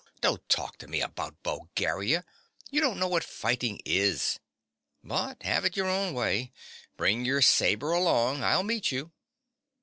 don't talk to me about Bulgaria. You don't know what fighting is. But have it your own way. Bring your sabre along. I'll meet you.